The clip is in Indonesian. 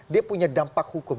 dia punya dampak hukum